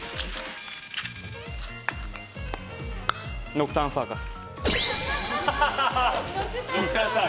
ノクターンサーカス。